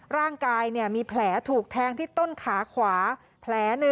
ร่างกายมีแผลถูกแทงที่ต้นขาขวาแผล๑